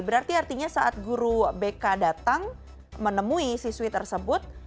berarti artinya saat guru bk datang menemui siswi tersebut